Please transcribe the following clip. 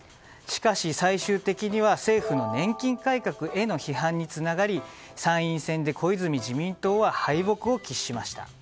しかし最終的には政府の年金改革への批判につながり参院選で小泉自民党は敗北を喫しました。